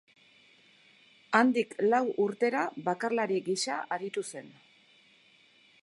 Handik lau urtera bakarlari gisa aritu zen.